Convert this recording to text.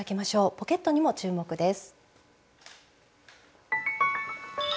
ポケットにも注目です。